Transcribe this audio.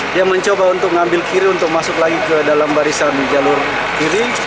dia mencoba untuk mengambil kiri untuk masuk lagi ke dalam barisan jalur kiri